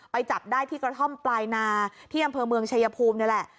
จับได้ที่กระท่อมปลายนาที่อำเภอเมืองชายภูมินี่แหละ